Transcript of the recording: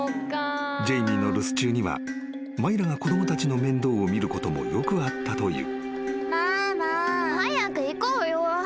［ジェイミーの留守中にはマイラが子供たちの面倒を見ることもよくあったという］